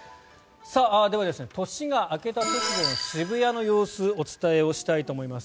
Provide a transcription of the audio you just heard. では、年が明けた直後の渋谷の様子お伝えしたいと思います。